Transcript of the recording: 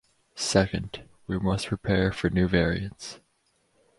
Second – we must prepare for new variants.